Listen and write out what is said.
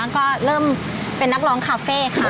ก็เริ่มเป็นนักร้องคาเฟ่ค่ะ